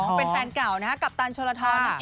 เป็นแฟนกล่าวกัปตันโชณทอ